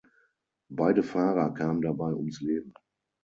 Beide Fahrer kamen dabei ums Leben.